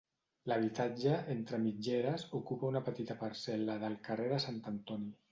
L'habitatge, entre mitgeres, ocupa una petita parcel·la del carrer de Sant Antoni.